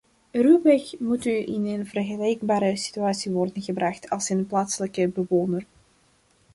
Ruwweg moet u in een vergelijkbare situatie worden gebracht als een plaatselijke bewoner.